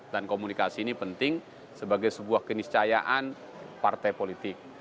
dan komunikasi ini penting sebagai sebuah keniscayaan partai politik